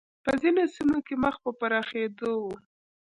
په ځینو سیمو کې مخ په پراخېدو و